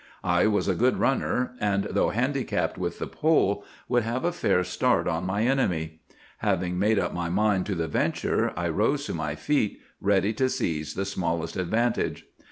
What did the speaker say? I was a good runner, and though handicapped with the pole, would have a fair start on my enemy. Having made up my mind to the venture I rose to my feet, ready to seize the smallest advantage.